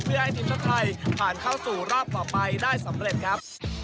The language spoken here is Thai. เพื่อให้ทีมชาติไทยผ่านเข้าสู่รอบต่อไปได้สำเร็จครับ